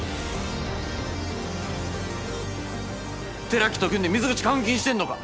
寺木と組んで水口監禁してんのか？